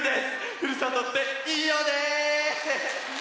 ふるさとっていいよね！